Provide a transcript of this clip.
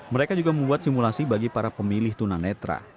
mereka juga membuat simulasi bagi para pemilih tunanetra